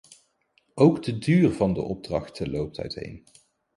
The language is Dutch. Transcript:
Ook de duur van de opdrachten loopt uiteen.